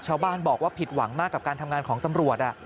ชาวบ้านบอกว่าผิดหวังมากกับการทำงานของตำรวจ